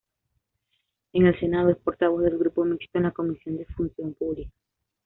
En el Senado, es portavoz del Grupo Mixto en la Comisión de Función Pública.